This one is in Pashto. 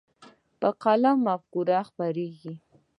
په قلم مفکوره خپرېږي.